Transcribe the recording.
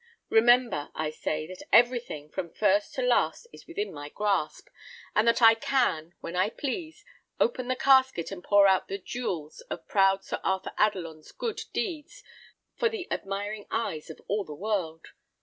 Remember, I say, that everything, from first to last, is within my grasp, and that I can, when I please, open the casket, and pour out the jewels of proud Sir Arthur Adelon's good deeds for the admiring eyes of all the world.